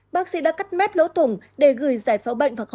bác sĩ đã cắt mép lỗ thủng để gửi giải phóng bệnh và khâu lại